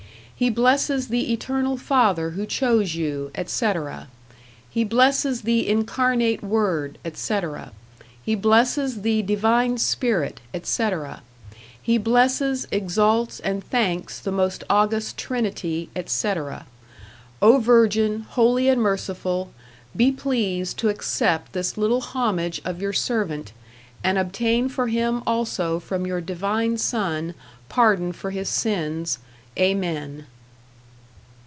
He blesses the Eternal Father who chose you, etc. He blesses the Incarnate Word, etc. He blesses the Divine Spirit, etc. He blesses, exalts and thanks the most august Trinity, etc. O Virgin, holy and merciful.... be pleased to accept this little homage of your servant, and obtain for him also from your divine Son pardon for his sins, Amen.